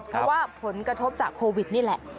เพราะว่าผลกระทบจากโควิดนี่แหละ